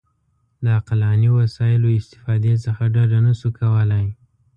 د عقلاني وسایلو استفادې څخه ډډه نه شو کولای.